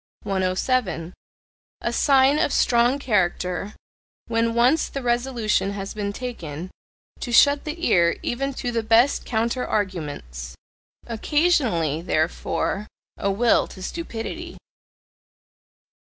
107. A sign of strong character, when once the resolution has been taken, to shut the ear even to the best counter arguments. Occasionally, therefore, a will to stupidity.